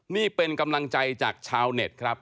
นี่เป็นกำลังใจจากชาวเน็ตครับ